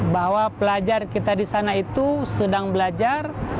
bahwa pelajar kita di sana itu sedang belajar